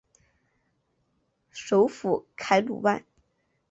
首府凯鲁万。